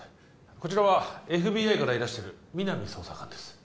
こちらはＦＢＩからいらしてる皆実捜査官です